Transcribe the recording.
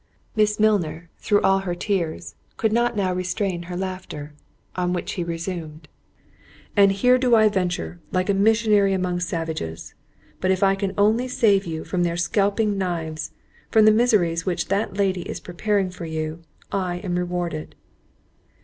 Miss Milner, through all her tears, could not now restrain her laughter. On which he resumed; "And here do I venture, like a missionary among savages—but if I can only save you from their scalping knives—from the miseries which that lady is preparing for you, I am rewarded."